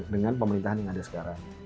dengan pemerintahan yang ada sekarang